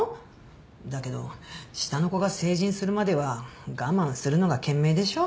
だけど下の子が成人するまでは我慢するのが賢明でしょ。